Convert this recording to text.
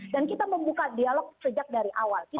dan kita membuka dialog sejak dari awal